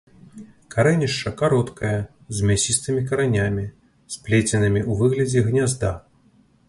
Карэнішча кароткае, з мясістымі каранямі, сплеценымі ў выглядзе гнязда.